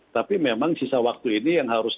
tapi memang sisa waktu ini yang harus